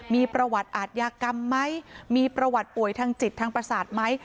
มีประวัติอาทยากรรมไหมมีประวัติป่วยทางจิตทางประสาทไหม